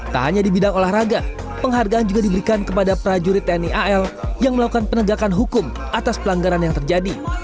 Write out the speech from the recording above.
tak hanya di bidang olahraga penghargaan juga diberikan kepada prajurit tni al yang melakukan penegakan hukum atas pelanggaran yang terjadi